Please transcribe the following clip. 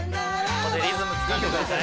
ここでリズムつかんでください。